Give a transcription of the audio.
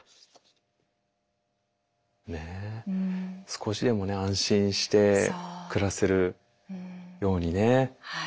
少しでも安心して暮らせるようにね。